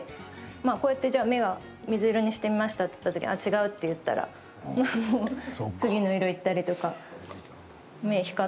こうやって目は水色にしてみましたっていったときにあ、違うって言ったら次の色いったりとか。